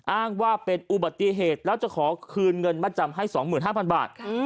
อ้างว่าเป็นอุบัติเหตุแล้วจะขอคืนเงินมาจำให้๒๕๐๐บาท